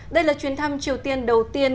đây là chuyến thăm triều tiên đầu tiên